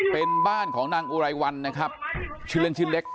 เป็นบ้านของนางอุไรวันนะครับชื่อเล่นชื่อเล็ก